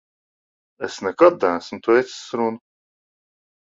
Es nekad neesmu teicis runu.